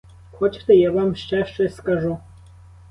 Хочете, я вам ще щось скажу?